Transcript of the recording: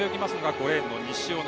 ５レーンの西小野。